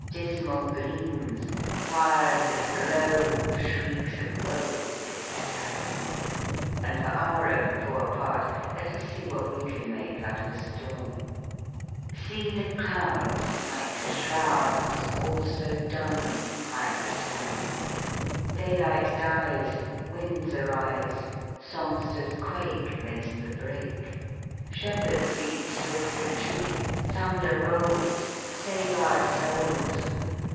Dismal gleams. Fires that glow, Shrieks of woe," &c. And for our own poor part, let us see what we can Inake out of a storm. 128 THE COMIC ENGLISH GRAMMAR. " See the clouds Like to shrouds All so dun, Hide the Sun : Daylight dies ; Winds arise ; Songsters quake, 'Midst the brake ; Shepherds beat Swift retreat : Thunder rolls Save our souls